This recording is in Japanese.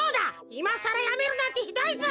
いまさらやめるなんてひどいぞ！